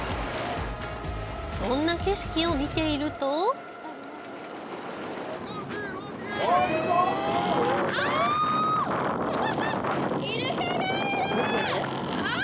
そんな景色を見ているとドルフィン！